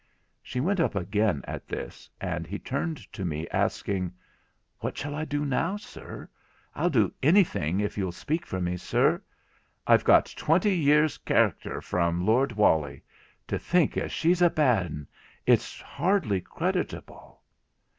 She went up again at this, and he turned to me, asking: 'What shall I do now, sir? I'll do anything if you'll speak for me, sir; I've got twenty years' kerecter from Lord Walley; to think as she's a bad 'un—it's hardly creditable.'